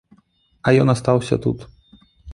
А ён астаўся тут.